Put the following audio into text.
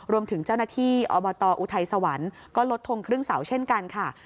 รวมถึงเจ้าหน้าที่อบตอุทัยสวรรค์ก็ลดทงครึ่งเสาเช่นกันค่ะ